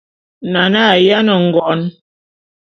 Nane a yáne ngon.